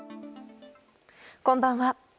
こんばんは。